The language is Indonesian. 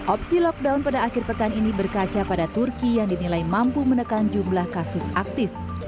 opsi lockdown pada akhir pekan ini berkaca pada turki yang dinilai mampu menekan jumlah kasus aktif